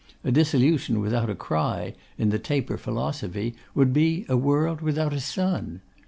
A dissolution without a cry, in the Taper philosophy, would be a world without a sun.